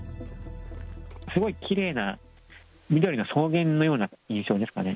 すごいきれいな、緑の草原のような印象ですかね。